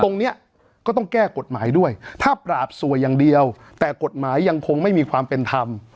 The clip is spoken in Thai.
ตรงนี้ก็ต้องแก้กฎหมายด้วยถ้าปราบสวยอย่างเดียวแต่กฎหมายยังคงไม่มีความเป็นธรรม